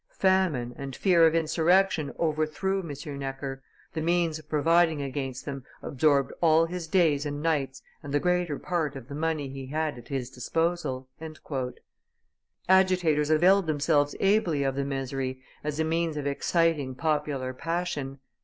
"Famine and fear of insurrection overthrew M. Necker, the means of providing against them absorbed all his days and nights and the greater part of the money he had at his disposal." Agitators availed themselves ably of the misery as a means of exciting popular passion.